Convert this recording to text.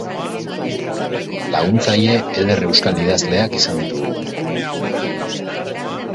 Laguntzaile eder euskal-idazleak izan ditugu.